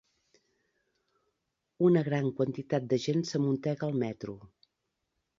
Una gran quantitat de gent s'amuntega al metro.